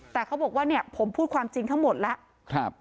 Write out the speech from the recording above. แต่เขาบอกว่าเนี่ยผมพูดความจริงทั้งหมดแล้ว